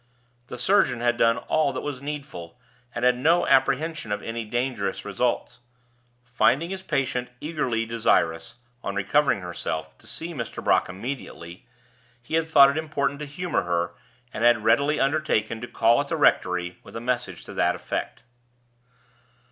The surgeon had done all that was needful, and had no apprehension of any dangerous results. Finding his patient eagerly desirous, on recovering herself, to see Mr. Brock immediately, he had thought it important to humor her, and had readily undertaken to call at the rectory with a message to that effect.